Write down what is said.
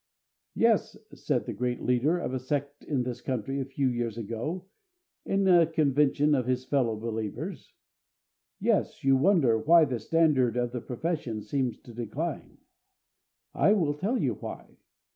"Yes," said the great leader of a sect in this country, a few years ago, in a convention of his fellow believers "yes, you wonder why the standard of the profession seems to decline. I will tell you why.